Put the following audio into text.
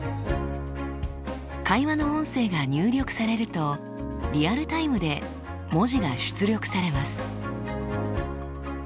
会話の音声が入力されるとリアルタイムで文字が出力されます。